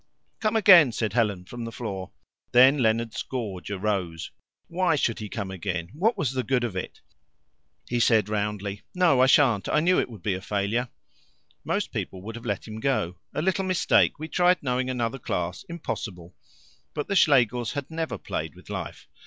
"Come again," said Helen from the floor. Then Leonard's gorge arose. Why should he come again? What was the good of it? He said roundly: "No, I shan't; I knew it would be a failure." Most people would have let him go. "A little mistake. We tried knowing another class impossible." But the Schlegels had never played with life.